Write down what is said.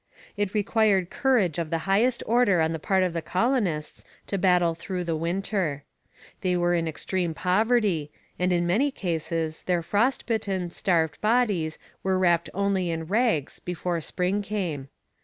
It required courage of the highest order on the part of the colonists to battle through the winter. They were in extreme poverty, and in many cases their frost bitten, starved bodies were wrapped only in rags before spring came.